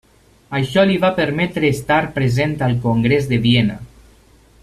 Això li va permetre estar present al Congrés de Viena.